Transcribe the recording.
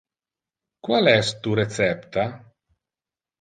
Qual es tu recepta?